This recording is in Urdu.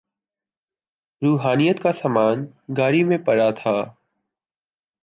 روحانیت کا سامان گاڑی میں پڑا تھا۔